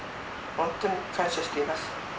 ほんとに感謝しています。